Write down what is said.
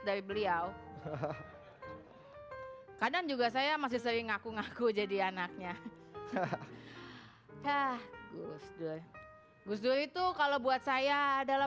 dari beliau kadang juga saya masih sering ngaku ngaku jadi anaknya gus dur gus dur itu kalau buat saya adalah